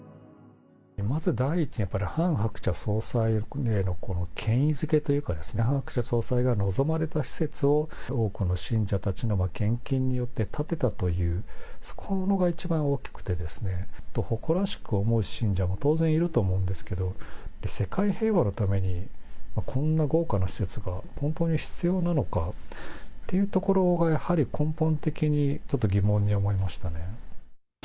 まず第一に、やっぱりハン・ハクチャ総裁への権威づけというか、ハン・ハクチャ総裁が望まれた施設を、多くの信者たちの献金によって建てたという、そこが一番大きくて、誇らしく思う信者も当然いると思うんですけど、世界平和のためにこんな豪華な施設が本当に必要なのかっていうところがやはり根本的にちょっと疑問に思いましたね。